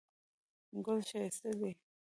ګل ښایسته دی